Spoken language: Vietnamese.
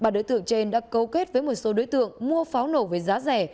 ba đối tượng trên đã cấu kết với một số đối tượng mua pháo nổ với giá rẻ